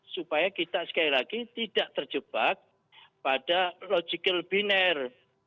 supaya kita sekali lagi tidak terjebak pada logical biner